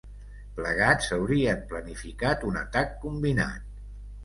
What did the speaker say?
Plegats haurien planificat un atac combinat.